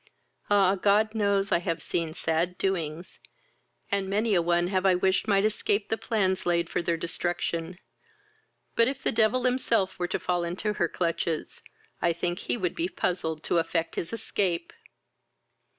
Ah! God knows, I have seen sad doings, and many a one have I wished might escape the plans laid for their destruction; but, if the devil himself were to fall into her clutches, I think he would be puzzled to effect his escape."